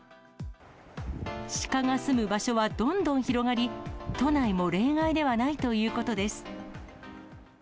シカが住む場所はどんどん広がり、都内も例外ではないということです。